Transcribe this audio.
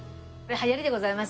流行りでございます。